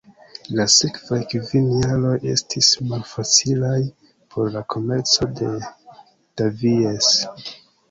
La sekvaj kvin jaroj estis malfacilaj por la komerco de Davies.